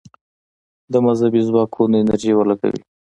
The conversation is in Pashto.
د مذهبي ځواکونو انرژي ولګوي.